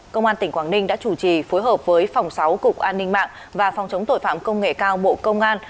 công an tỉnh quảng ninh đã chủ trì phối hợp với phòng sáu cục an ninh mạng và phòng chống tội phạm công nghệ cao bộ công an